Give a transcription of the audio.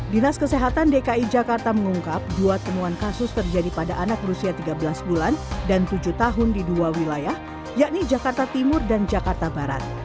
dinas kesehatan dki jakarta mengungkap dua temuan kasus terjadi pada anak berusia tiga belas bulan dan tujuh tahun di dua wilayah yakni jakarta timur dan jakarta barat